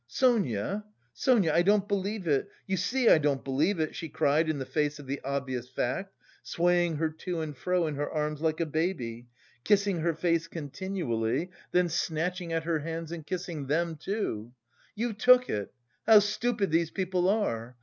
"Sonia! Sonia! I don't believe it! You see, I don't believe it!" she cried in the face of the obvious fact, swaying her to and fro in her arms like a baby, kissing her face continually, then snatching at her hands and kissing them, too, "you took it! How stupid these people are!